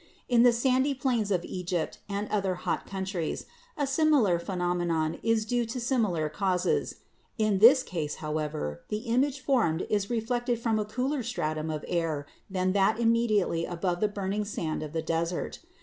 In the sandy plains of Egypt and other hot countries a similar phenomenon is due to similar causes. In this case, however, the image formed is re flected from a cooler stratum of air than that immediately above the burning sand of the desert.